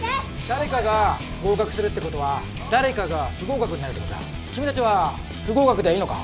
誰かが合格するってことは誰かが不合格になるってことだ君達は不合格でいいのか？